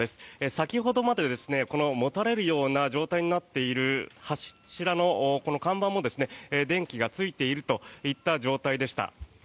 先ほどまで、このもたれるような状態になっている柱の看板も電気がついているといった状態でした。